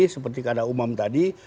seperti kata umam tadi